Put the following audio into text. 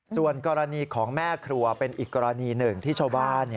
ส่วนกรณีของแม่ครัวเป็นอีกกรณีหนึ่งที่ชาวบ้าน